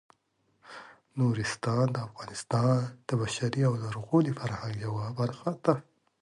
نورستان د افغانستان د بشري او لرغوني فرهنګ یوه برخه ده.